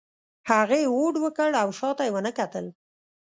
هغې هوډ وکړ او شا ته یې ونه کتل.